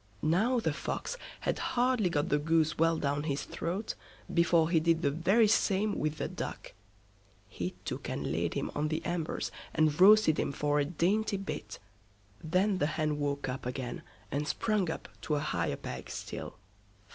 Now the Fox had hardly got the Goose well down his throat, before he did the very same with the Duck. He took and laid him on the embers, and roasted him for a dainty bit. Then the hen woke up again, and sprung up to a higher peg still.